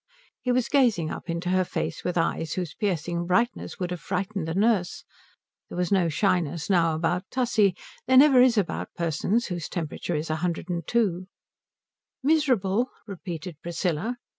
He was gazing up into her face with eyes whose piercing brightness would have frightened the nurse. There was no shyness now about Tussie. There never is about persons whose temperature is 102. "Miserable?" repeated Priscilla.